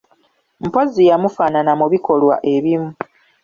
Mpozzi yamufaanana mu bikolwa ebimu.